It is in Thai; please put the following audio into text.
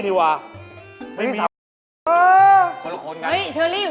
มีอะไรให้หนู